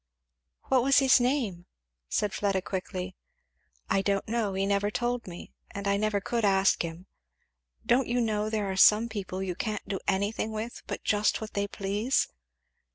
"What, was his name?" said Fleda quickly. "I don't know he never told me and I never could ask him. Don't you know there are some people you can't do anything with but just what they please?